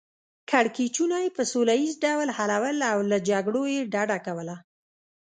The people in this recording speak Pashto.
کړکیچونه یې په سوله ییز ډول حلول او له جګړو یې ډډه کوله.